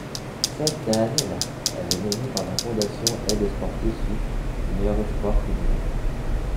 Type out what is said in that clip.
Cette année-là, elle est nommée par la fondation Aide sportive suisse, meilleur espoir féminin.